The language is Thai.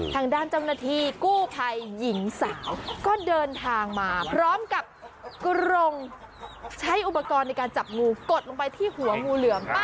ทางด้านเจ้าหน้าที่กู้ภัยหญิงสาวก็เดินทางมาพร้อมกับกรงใช้อุปกรณ์ในการจับงูกดลงไปที่หัวงูเหลือม